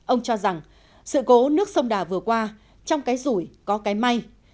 ông cho rằng sự cố nước sông đà vừa qua trong cái rủi có cái may